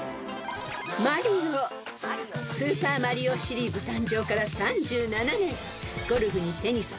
［『スーパーマリオ』シリーズ誕生から３７年ゴルフにテニス